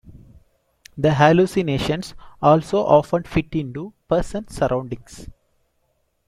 The hallucinations also often fit into the person's surroundings.